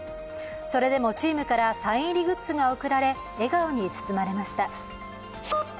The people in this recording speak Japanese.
それでもチームからサイン入りグッズが贈られ笑顔に包まれました。